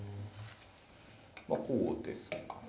まあこうですかね。